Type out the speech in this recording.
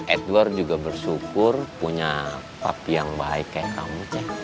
edward juga bersyukur punya up yang baik kayak kamu